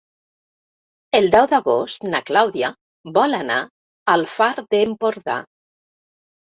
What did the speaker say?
El deu d'agost na Clàudia vol anar al Far d'Empordà.